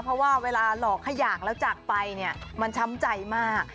เพราะว่าเวลาหลอกขอยากแล้วจากไปเนี่ยมันช้ำใจมาก